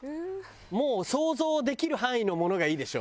もう想像できる範囲のものがいいでしょ？